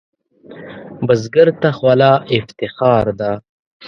بزګر ته خوله افتخار ده